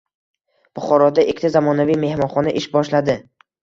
Buxoroda ikkita zamonaviy mehmonxona ish boshlading